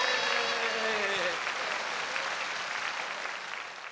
イエーイ！